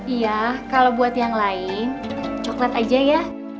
iya kalau buat yang lain coklat aja ya